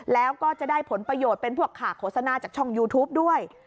แล้วก็จะได้ผลประโยชน์เป็นพวกขาโฆษณาจากช่องยูทูปด้วย